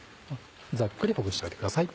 ざっくりほぐしておいてください。